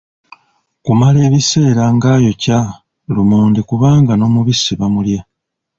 Kumala ebiseera ng'ayokya lumonde kubanga n'omubisi bamulya.